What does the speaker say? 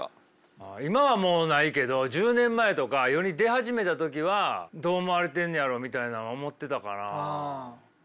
あ今はもうないけど１０年前とか世に出始めた時はどう思われてんねやろみたいなんは思ってたかな。